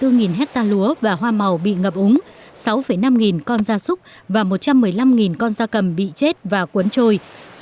chín mươi sáu bốn nghìn hecta lúa và hoa màu bị ngập úng sáu năm nghìn con da súc và một trăm một mươi năm nghìn con da cầm bị chết và cuốn trôi